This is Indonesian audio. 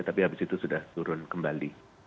tapi habis itu sudah turun kembali